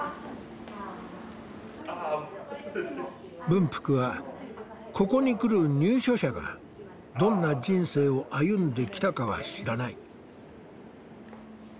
文福はここに来る入所者がどんな人生を歩んできたかは知らない。